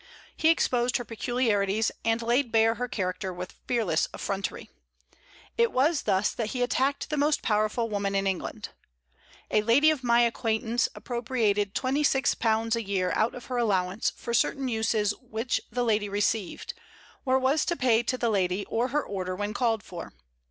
He exposed her peculiarities, and laid bare her character with fearless effrontery. It was thus that he attacked the most powerful woman in England: "A lady of my acquaintance appropriated £26 a year out of her allowance for certain uses which the lady received, or was to pay to the lady or her order when called for.